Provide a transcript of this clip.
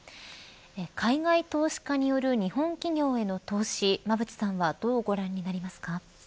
海外投資家による日本企業への投資馬渕さんはどうご覧になりますか。